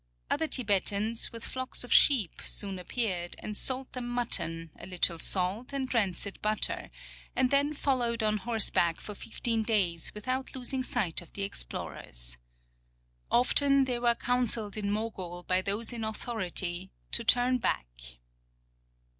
Other Tibetans, with flocks of sheep, soon appeared and sold them mutton, a little salt, and rancid butter, and then folloAved on horseback for fifteen days without losing sight of the explorers. Often they' were counseled in Mogul by those in authority to turn back.